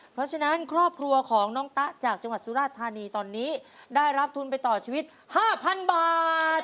เพราะฉะนั้นครอบครัวของน้องตะจากจังหวัดสุราชธานีตอนนี้ได้รับทุนไปต่อชีวิต๕๐๐๐บาท